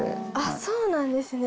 そうなんですね。